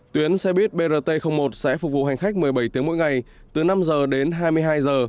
tuyến xe buýt brt một sẽ phục vụ hành khách một mươi bảy tiếng mỗi ngày từ năm giờ đến hai mươi hai giờ